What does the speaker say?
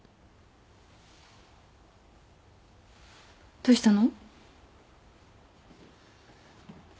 どうしたの？